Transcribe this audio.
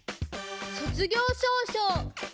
卒業証書！